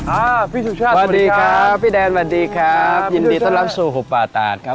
อ่าพี่สุชาติสวัสดีครับพี่แดนสวัสดีครับยินดีต้อนรับสู่หุบป่าตาดครับ